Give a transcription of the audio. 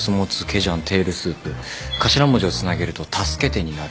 頭文字をつなげると「タ」「酢」「ケ」「テ」になる。